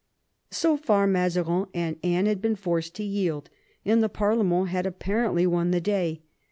So far Mazarin and Anne had been forced to yield, and the parlement had apparently won the day.